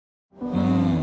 うん。